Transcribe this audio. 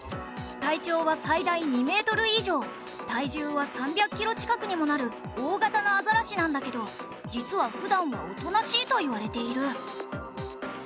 体長は最大２メートル以上体重は３００キロ近くにもなる大型のアザラシなんだけど実は普段はおとなしいといわれている。